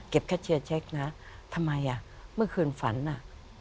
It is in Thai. แค่เชียร์เช็คนะทำไมอ่ะเมื่อคืนฝันอ่ะ